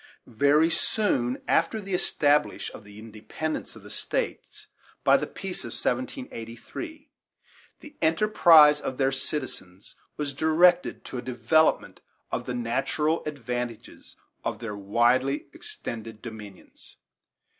Very soon after the establishment of the independence of the States by the peace of 1783, the enterprise of their citizens was directed to a development of the natural advantages of their widely extended dominions.